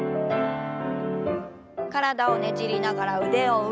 体をねじりながら腕を上。